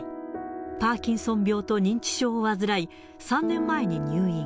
パーキンソン病と認知症を患い、３年前に入院。